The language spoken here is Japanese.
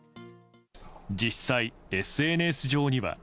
実際、ＳＮＳ上には。